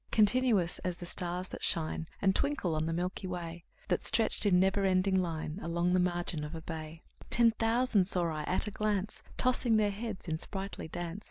Continuous as the stars that shine And twinkle on the milky way, The stretched in never ending line Along the margin of a bay: Ten thousand saw I at a glance, Tossing their heads in sprightly dance.